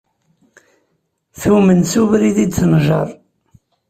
Tumen s ubrid i d-tenjer.